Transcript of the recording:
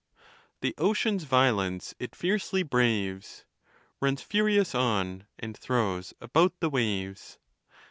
The ocean's violence it fiercely braves ; Euns furious on, and throws about the waves.